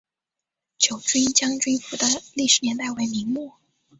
九军将军府的历史年代为明末。